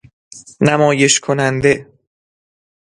نمایش کننده